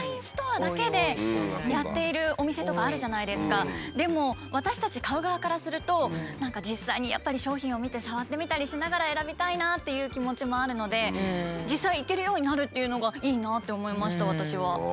最近何というかでも私たち買う側からすると何か実際にやっぱり商品を見て触ってみたりしながら選びたいなっていう気持ちもあるので実際行けるようになるっていうのがいいなって思いました私は。